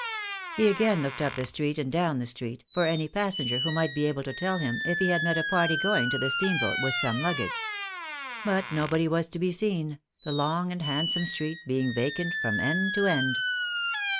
He again looked up the street and down the street, for any passenger who might be able to tell him if he had met a party going to the steamboat with some luggage. But nobody was to be seen, the long and handsome street being vacant from end to end.